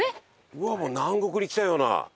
うわっもう南国に来たような。